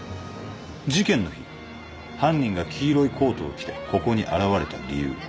事件の日犯人が黄色いコートを着てここに現れた理由。